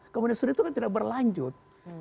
kemudian sudah itu kan tidak berlanjut